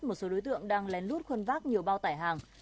một số đối tượng đang lén lút khuân vác nhiều bao tải hàng